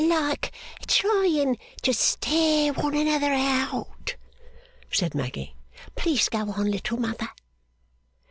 'Like trying to stare one another out,' said Maggy. 'Please go on, Little Mother.